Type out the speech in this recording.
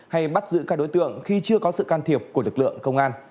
hay bắt giữ các đối tượng khi chưa có sự can thiệp của lực lượng